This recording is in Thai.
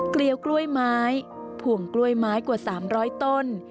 เกลียวกล้วยไม้ผ่วงกล้วยไม้กว่า๓๐๐ต้น